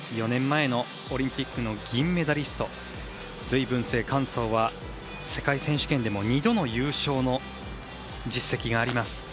４年前のオリンピックの銀メダリスト隋文静、韓聡は、世界選手権でも２度の優勝の実績があります。